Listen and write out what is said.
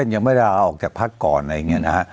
เช่นยังไม่ได้เอาออกจากภาคกรอะไรอย่างนี้นะฮะ